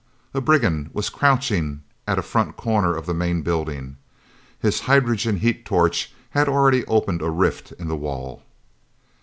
A brigand was crouching at a front corner of the main building! His hydrogen heat torch had already opened a rift in the wall!